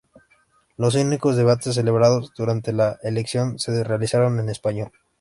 Los únicos debates celebrados durante la elección se realizaron en español.